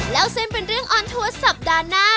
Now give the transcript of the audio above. แล้วเส้นเป็นเรื่องออนทัวร์สัปดาห์หน้า